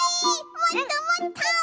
もっともっと！